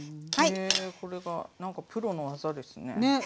へえこれがなんかプロの技ですね。